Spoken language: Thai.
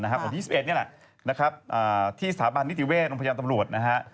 อันที่๒๑นี่แหละที่สถาบันนิติเวศน์รมพยาบาลตำรวจ